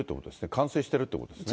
冠水してるということですね。